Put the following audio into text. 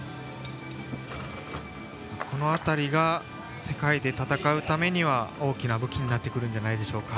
その辺りが世界で戦うためには大きな武器になるんじゃないでしょうか。